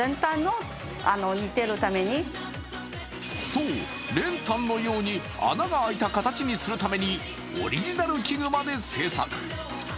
そう、練炭のように穴が開いた形にするためにオリジナル機具まで製作。